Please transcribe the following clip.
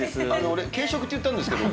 俺、軽食って言ったんですけど。